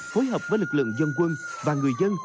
phối hợp với lực lượng dân quân và người dân